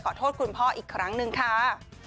ขอโทษคุณพ่ออีกครั้งหนึ่งค่ะ